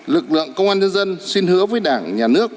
lực lượng công an nhân dân xin hứa với đảng nhà nước